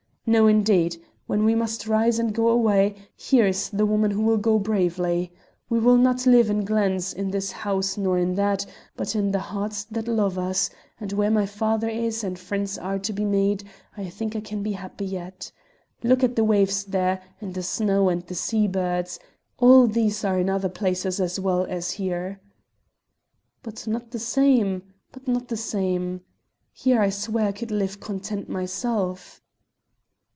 "No, indeed! when we must rise and go away, here is the woman who will go bravely! We live not in glens, in this house nor in that, but in the hearts that love us, and where my father is and friends are to be made, I think I can be happy yet. Look at the waves there, and the snow and the sea birds! All these are in other places as well as here." "But not the same, but not the same! Here I swear I could live content myself."